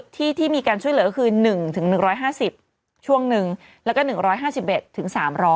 ที่มีการช่วยเหลือคือ๑๑๕๐ช่วงหนึ่งแล้วก็๑๕๑ถึง๓๐๐